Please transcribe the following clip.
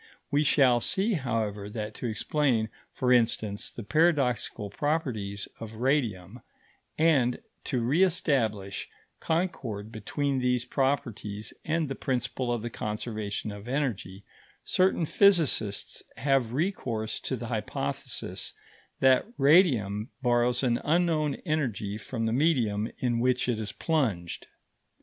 We shall see, however, that to explain, for instance, the paradoxical properties of radium and to re establish concord between these properties and the principle of the conservation of energy, certain physicists have recourse to the hypothesis that radium borrows an unknown energy from the medium in which it is plunged.